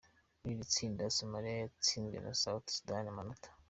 Muri iri tsinda, Somalia yatsinzwe na South Sudan amanota.